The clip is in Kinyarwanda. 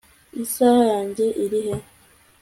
isaha yanjye iri he